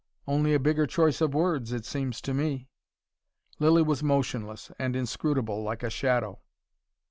Only a bigger choice of words, it seems to me." Lilly was motionless and inscrutable like a shadow.